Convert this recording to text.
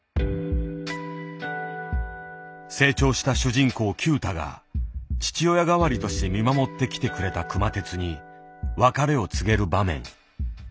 成長した主人公九太が父親代わりとして見守ってきてくれた熊徹に別れを告げる場面。